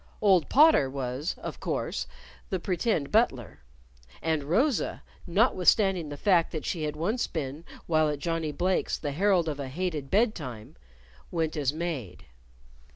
Old Potter was, of course, the pretend butler. And Rosa, notwithstanding the fact that she had once been, while at Johnnie Blake's, the herald of a hated bed time went as maid.